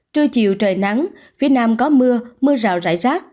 trưa chiều trời nắng phía nam có mưa mưa rào rải rác